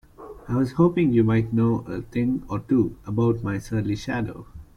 I was hoping you might know a thing or two about my surly shadow?